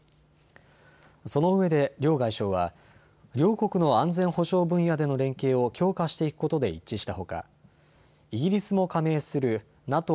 そのうえで両外相は両国の安全保障分野での連携を強化していくことで一致したほかイギリスも加盟するＮＡＴＯ